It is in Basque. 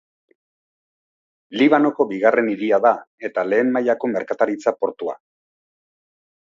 Libanoko bigarren hiria da eta lehen mailako merkataritza portua.